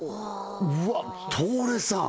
うわっ東レさん